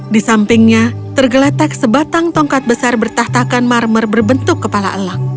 di sampingnya tergeletak sebatang tongkat besar bertahtakan marmer berbentuk kepala elak